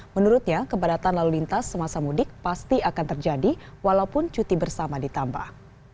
menurutnya kepadatan lalu lintas semasa mudik pasti akan terjadi walaupun cuti bersama ditambah